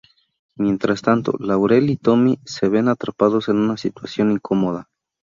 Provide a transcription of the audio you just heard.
Mientras tanto, Laurel y Tommy se ven atrapados en una situación incómoda.